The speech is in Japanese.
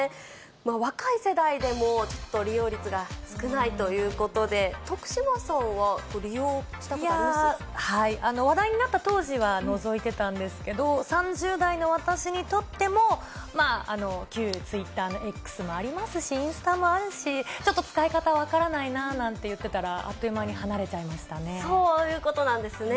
若い世代でも、ちょっと利用率が少ないということで、徳島さんはいやー、話題になった当時はのぞいてたんですけど、３０代の私にとっても、まあ、旧ツイッターのＸもありますし、インスタもあるし、ちょっと使い方、分からないなあなんて言ってたら、あっという間に離れちゃいましたそういうことなんですね。